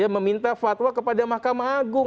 meminta fatwa kepada mahkamah agung